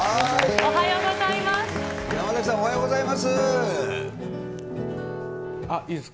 おはようございます。